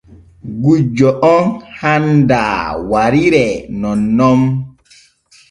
Gujjo oo handaa wariree nonnon.